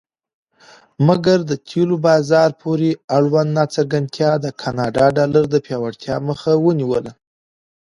مګر د تیلو بازار پورې اړوند ناڅرګندتیا د کاناډا ډالر د پیاوړتیا مخه ونیوله.